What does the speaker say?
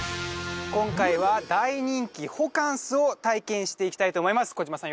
今回は大人気ホカンスを体験していきたいと思います児嶋さん